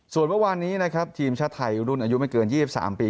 ส่วนเมื่อวานนี้นะครับทีมชาติไทยรุ่นอายุไม่เกิน๒๓ปี